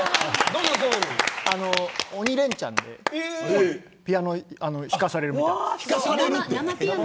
鬼レンチャンでピアノを弾かされるみたいです。